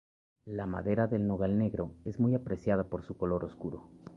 La madera del Nogal negro es muy apreciada por su color oscuro.